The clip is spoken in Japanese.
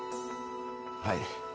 はい。